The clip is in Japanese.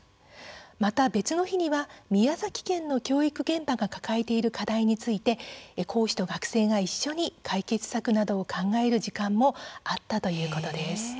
また別の日には宮崎県の教育現場が抱えている課題について講師と学生が一緒に解決策などを考える時間もあったということです。